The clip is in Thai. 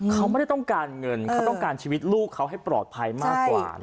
เขาไม่ได้ต้องการเงินเขาต้องการชีวิตลูกเขาให้ปลอดภัยมากกว่า